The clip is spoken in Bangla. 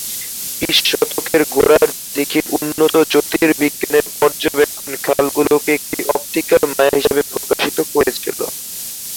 বিশ শতকের গোড়ার দিকে, উন্নত জ্যোতির্বিজ্ঞানের পর্যবেক্ষণ খাল গুলোকে একটি অপটিক্যাল মায়া হিসাবে প্রকাশিত করেছিল।